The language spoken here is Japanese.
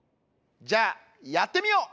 じゃあやってみよう！